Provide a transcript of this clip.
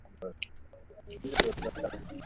তিনি পরে স্কটল্যান্ড ভ্রমণ করেন।